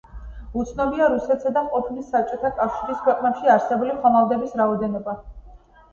უცნობია რუსეთსა და ყოფილი საბჭოთა კავშირის ქვეყნებში არსებული ხომალდების რაოდენობა.